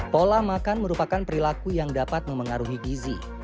pola makan merupakan perilaku yang dapat memengaruhi gizi